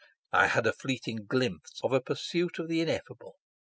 I had a fleeting glimpse of a pursuit of the ineffable.